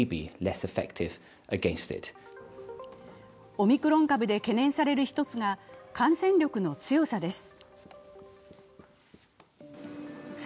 オミクロン株で懸念される一つが感染力の強さです。